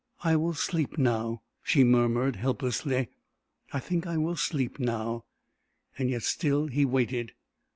"I will sleep now," she murmured, helplessly. "I think I will sleep now." Yet still he waited.